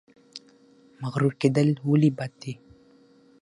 مغرور کیدل ولې بد دي؟